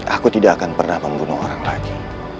aku tidak akan pernah membunuh orang lagi